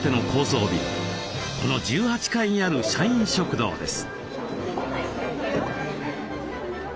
この１８階にある社員食堂です。